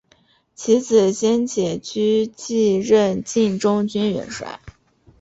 其子先且居继任晋中军元帅。